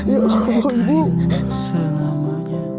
ya allah ibu